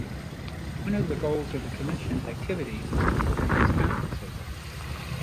One of the goals of the Commission's activities is to organize conferences.